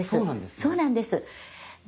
そうなんですね。